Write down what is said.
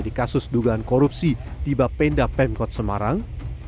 di kasus dugaan korupsi di bapenda pemkot semarang